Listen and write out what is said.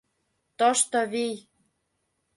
Тошто вий